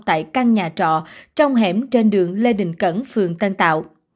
tại căn nhà trọ trong hẻm trên đường lê đình cẩn phường tân tạo